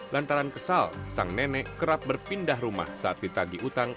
lantaran kesal sang nenek kerap berpindah rumah saat ditagi utang